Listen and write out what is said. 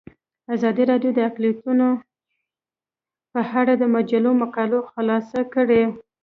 ازادي راډیو د اقلیتونه په اړه د مجلو مقالو خلاصه کړې.